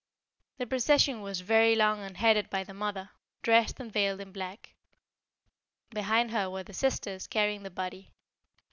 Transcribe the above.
The procession was very long and headed by the mother, dressed and veiled in black. Behind her were the sisters carrying the body.